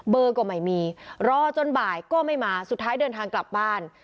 ก็ไม่มีรอจนบ่ายก็ไม่มาสุดท้ายเดินทางกลับบ้าน